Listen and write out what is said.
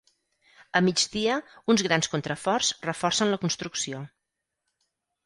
A migdia uns grans contraforts reforcen la construcció.